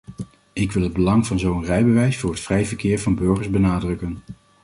Ik wil het belang van zo'n rijbewijs voor het vrij verkeer van burgers benadrukken.